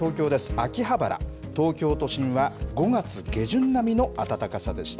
秋葉原、東京都心は５月下旬並みの暖かさでした。